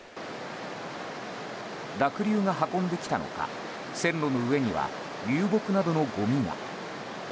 濁流が運んできたのか線路の上には流木などのごみが。